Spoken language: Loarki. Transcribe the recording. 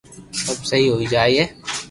سب سھي ھوئي جائين